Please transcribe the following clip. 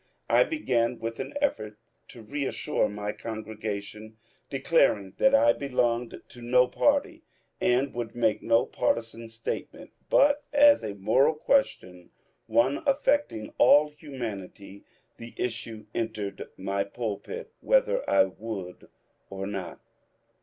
I began with an effort to reassure my congregation, declar ing that I belonged to no party, and would make no partisan statement ; but as a moral question, one affecting all human ity, the issue entered my pulpit whether I would or not.